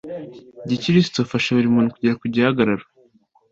Gikirisutu afasha buri muntu kugera ku gihagararo